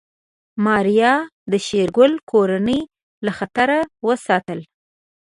ماريا د شېرګل کورنۍ له خطر وساتله.